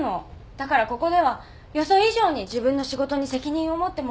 だからここでは予想以上に自分の仕事に責任を持ってもらわないと。